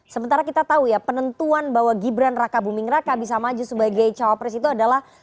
sementara kita tahu ya penentuan bahwa gibran raka buming raka bisa maju sebagai cawapres itu adalah